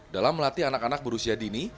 dalam melatih anak anak berusia dini